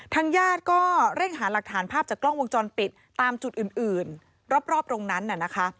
ทางญาติก็เร่งหาหลักฐานภาพจากกล้องวงจรปิดตามจุดอื่นรอบตรงนั้นน่ะนะคะ